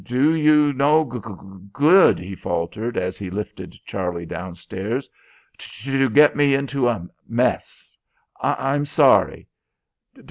"D d do you no g g good," he faltered as he lifted Charlie downstairs, "t to get me into a mess. I'm sorry.